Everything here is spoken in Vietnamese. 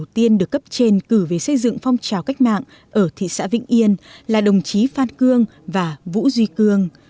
đầu tiên được cấp trên cử về xây dựng phong trào cách mạng ở thị xã vĩnh yên là đồng chí phan cương và vũ duy cương